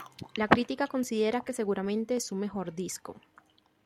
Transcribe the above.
La crítica considera que seguramente es su mejor disco.